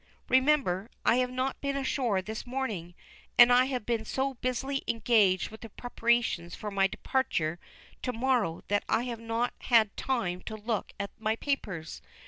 "Remember, I have not been ashore this morning, and I have been so busily engaged with the preparations for my departure to morrow that I have not had time to look at my papers.